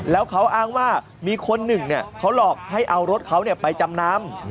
แล้วเขาอ้างว่ามีคนหนึ่งเขาหลอกให้เอารถเขาไปจำนำ